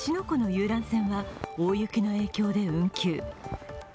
湖の遊覧船は大雪の影響で運休。